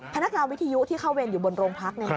พนักงานวิทยุที่เข้าเวรอยู่บนโรงพัก